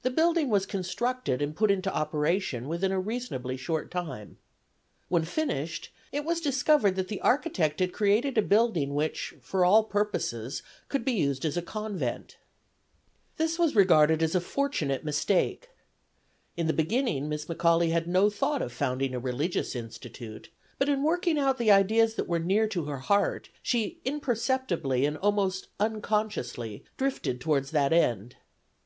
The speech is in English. The building was constructed and put into operation within a reasonably short time. When finished it was discovered that the architect had created a building which for all purposes could be used as a convent. This was regarded as a fortunate mistake. In the beginning Miss McAuley had no thought of founding a religious institute, but in working out the ideas that were near to her heart she imperceptibly and almost unconsciously drifted towards that end.